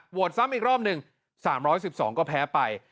ซ้ำอีกรอบหนึ่ง๓๑๒ก็แพ้ไป